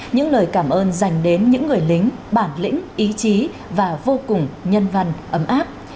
những lời cảm ơn dành đến những người lính bản lĩnh ý chí và vô cùng nhân văn ấm áp